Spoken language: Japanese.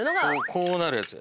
こうなるやつ。